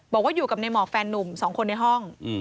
บอกว่าอยู่กับในหมอกแฟนนุ่ม๒คนในห้อง